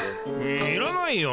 いらないよ。